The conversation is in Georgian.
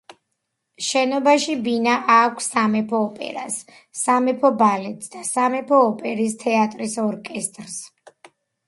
შენობაში ბინა აქვს სამეფო ოპერას, სამეფო ბალეტს და სამეფო ოპერის თეატრის ორკესტრს.